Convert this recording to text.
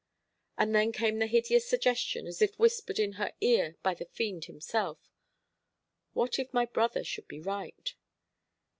And then came the hideous suggestion, as if whispered in her ear by the fiend himself, "What if my brother should be right?"